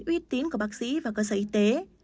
uy tín của bác sĩ và cơ sở y tế